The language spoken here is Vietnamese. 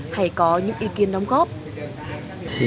hay có những ý kiến đồng ý